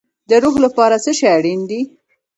د روح لپاره څه شی اړین دی؟